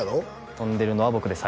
跳んでるのは僕です